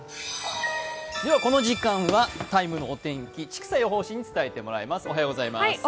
この時間はＴＩＭＥのお天気、千種予報士に伝えていただきます。